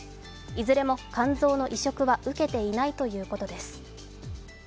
いずれも肝臓の移植は受けていないということです。